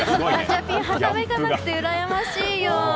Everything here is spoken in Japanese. ガチャピン、はためかなくてうらやましいよ！